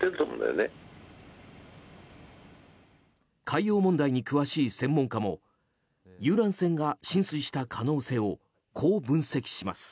海洋問題に詳しい専門家も遊覧船が浸水した可能性をこう分析します。